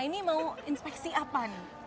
ini mau inspeksi apa nih